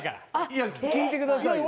いや聞いてくださいよ。